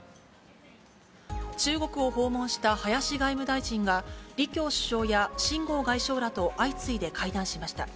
中国を訪問した林外務大臣が李強首相や秦剛外相らと相次いで会談しました。